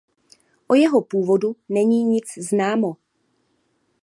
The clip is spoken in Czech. O jeho původu není nic známo.